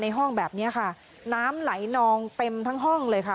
ห้องแบบนี้ค่ะน้ำไหลนองเต็มทั้งห้องเลยค่ะ